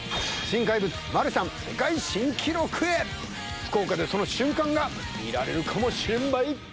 福岡でその瞬間が見られるかもしれんばい！